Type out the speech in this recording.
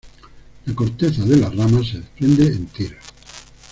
La corteza de las ramas se desprende en tiras.